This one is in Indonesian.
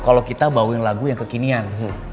kalo kita bawa yang lagu yang kekinian